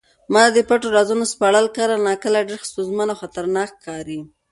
ما ته د پټو رازونو سپړل کله ناکله ډېر ستونزمن او خطرناک ښکاري.